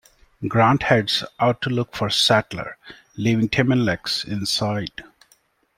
Grant heads out to look for Sattler, leaving Tim and Lex inside.